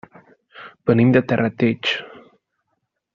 Venim de Terrateig.